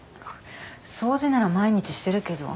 掃除なら毎日してるけど。